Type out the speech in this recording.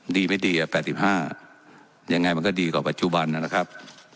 ดีไม่ดี๘๕ยังไงมันก็ดีกว่าปัจจุบันนะครับ